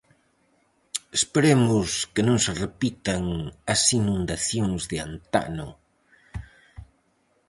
Esperemos que non se repitan as inundacións de antano.